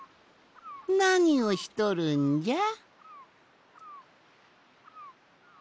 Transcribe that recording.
なにをしとるんじゃ？